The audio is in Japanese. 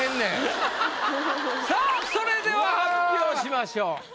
さぁそれでは発表しましょう。